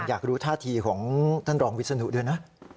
อยากรู้ท่าทีของท่านรองวิศนุด้วยนะ